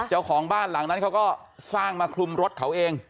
เจ้าของบ้านหลังนั้นเขาก็สร้างมาคลุมรถเขาเอง